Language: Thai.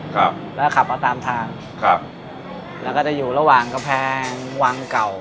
ครับแล้วก็ขับมาตามทางครับแล้วก็จะอยู่ระหว่างกำแพงวังเก่า